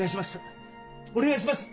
お願いします